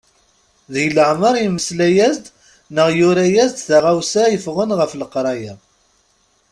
Deg leɛmer yemmeslay-as-d neɣ yura-as-d taɣawsa yeffɣen ɣef leqraya.